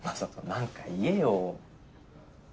何か言えよ。